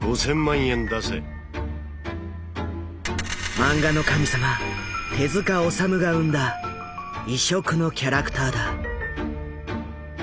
漫画の神様手治虫が生んだ異色のキャラクターだ。